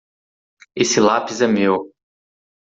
Esse lápis é meu.